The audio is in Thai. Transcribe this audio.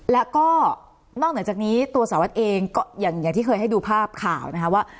แล้วก็นอกเหนือจากนี้ตัวสารวัตรเองก็อย่างที่เคยให้ดูภาพข่าวนะคะว่า